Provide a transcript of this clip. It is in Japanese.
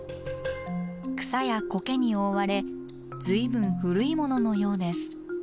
草やコケに覆われ随分古いもののようです。